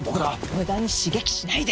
無駄に刺激しないで！